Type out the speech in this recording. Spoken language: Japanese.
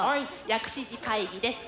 「薬師寺会議」です。